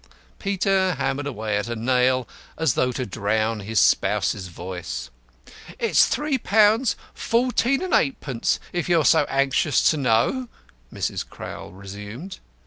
Peter hammered away at a nail, as though to drown his spouse's voice. "It's three pounds fourteen and eightpence, if you're so anxious to know," Mrs. Crowl resumed.